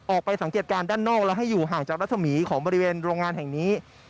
ออกไปสังเกตการณ์ด้านนอกและให้อยู่ห่างจากรัศมีร์ของบริเวณโรงงานแห่งนี้